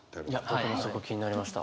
僕もそこ気になりました。